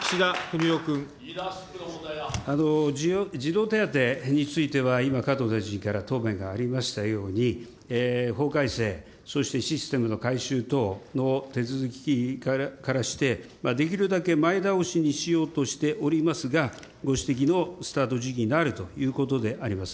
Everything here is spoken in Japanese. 児童手当については、今、加藤大臣から答弁がありましたように、法改正、そしてシステムの改修等の手続きからして、できるだけ前倒しにしようとしておりますが、ご指摘のスタート時期になるということであります。